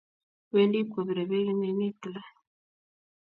Wendi pkopire peek eng' ainet gila.